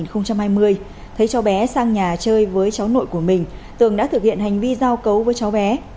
khi cháu bé sang nhà chơi với cháu nội của mình tường đã thực hiện hành vi giao cấu với cháu bé